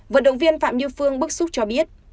vận động viên phạm như phương bức xúc cho biết